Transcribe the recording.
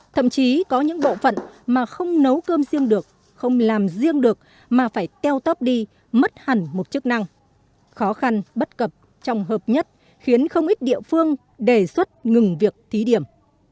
thậm chí có những bộ phận mà không nấu cơm riêng được không làm riêng được mà phải teo tóp đi mất hẳn một chức năng khó khăn bất cập trong hợp nhất khiến không ít địa phương đề xuất ngừng việc thí điểm